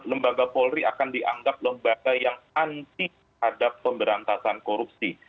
lembaga polri akan dianggap lembaga yang anti terhadap pemberantasan korupsi